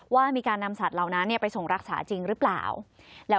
ว่ามีการนำสัตว์เหล่านั้นไปส่งรักษาจริงหรือเปล่าแล้ว